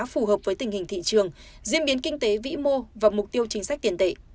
phù hợp với tình hình thị trường diễn biến kinh tế vĩ mô và mục tiêu chính sách tiền tệ